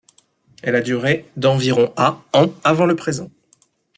Elle a duré d'environ à ans avant le présent.